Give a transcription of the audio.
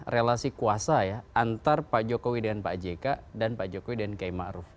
relasi kuasa ya antar pak jokowi dengan pak jk dan pak jokowi dan k ⁇ maruf ⁇